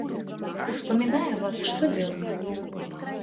Успамінае вас штодзенна.